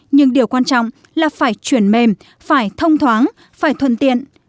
nhưng điều quan trọng là phải chuyển mềm phải thông thoáng phải thuần tiện